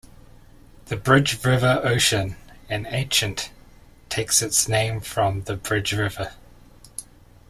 The Bridge River Ocean, an ancient takes its name from the Bridge River.